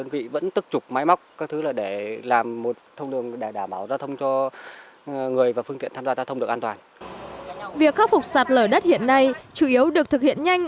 việc khắc phục sạt lở đất hiện nay chủ yếu được thực hiện nhanh